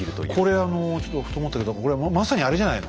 これあのちょっとふと思ったけどこれまさにあれじゃないの？